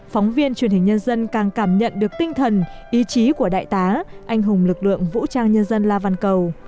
phóng viên truyền hình nhân dân càng cảm nhận được tinh thần ý chí của đại tá anh hùng lực lượng vũ trang nhân dân la văn cầu